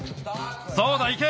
そうだいけ。